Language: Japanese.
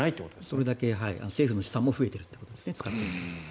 それだけ政府の試算も増えているということですね。